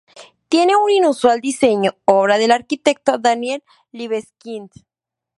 Tiene un inusual diseño, obra del arquitecto Daniel Libeskind.